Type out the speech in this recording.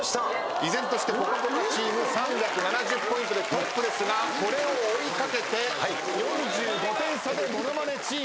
依然としてぽかぽかチーム３７０ポイントでトップですがこれを追い掛けて４５点差でモノマネチーム。